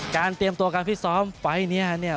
การเตรียมตัวกันพี่ซ้อมไฟล์นี้